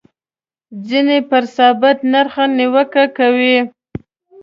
ځینې پر ثابت نرخ نیوکه کوي.